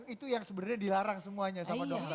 itu yang sebenarnya dilarang semuanya sama dokter